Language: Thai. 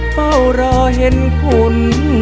เฝ้ารอเห็นผล